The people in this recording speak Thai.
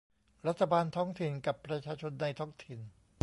รัฐบาลท้องถิ่นกับประชาชนในท้องถิ่น